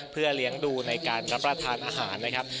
เพื่อเลี้ยงดูในการรับประทานอาหารนะครับ